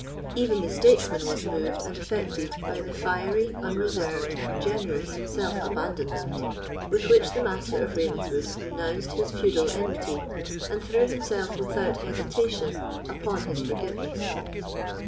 Even the statesman was moved and affected by the fiery, unreserved, and generous self abandonment with which the Master of Ravenswood renounced his feudal enmity, and threw himself without hesitation upon his forgiveness.